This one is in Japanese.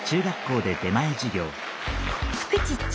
「フクチッチ」。